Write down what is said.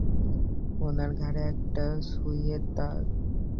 ওনার ঘাড়ে একটা সুঁইয়ের দাগ।